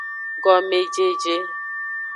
Gomejeje.